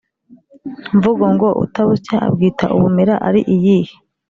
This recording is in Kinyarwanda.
mvugo ngo: “utabusya abwita ubumera”ari iyihe?